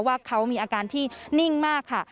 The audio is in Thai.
ว่าเขามีอาการที่นิ่งมากค่ะ